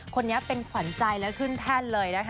คนนี้เป็นขวัญใจและขึ้นแท่น